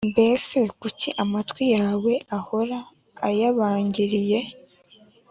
mbese kuki amatwi yawe uhora uyabangiriye